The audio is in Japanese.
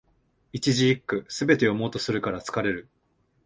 一字一句、すべて読もうとするから疲れる